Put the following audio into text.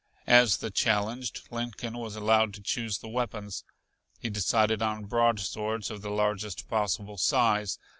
As the challenged, Lincoln was allowed to chose the weapons. He decided on broadswords of the largest possible size.